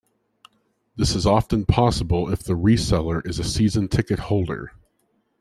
This is often possible if the reseller is a season ticket holder.